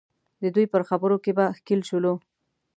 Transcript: د دوی پر خبرو کې به ښکېل شولو.